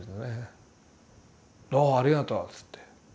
「ああありがとう」っつって。